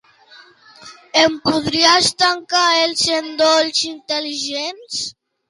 Em podries tancar els endolls intel·ligents?